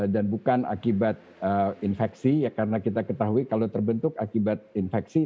dan bukan akibat infeksi karena kita ketahui kalau terbentuk akibat infeksi